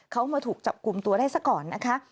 เขามาถูกจับกลุ่มตัวได้ซะก่อนนะคะ